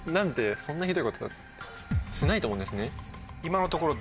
そんなひどいことしないと思うんですね。